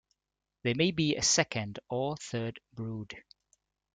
There may be a second or third brood.